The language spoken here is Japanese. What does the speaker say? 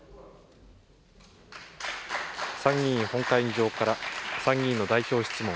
参議院本会議場から参議院の代表質問